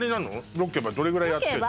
ロケはどれぐらいやってんの？